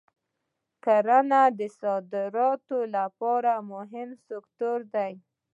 کرنه د صادراتو لپاره مهم سکتور دی.